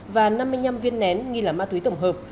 và năm mươi năm viên nén nghi là ma túy tổng hợp